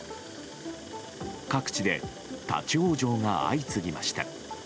各地で立ち往生が相次ぎました。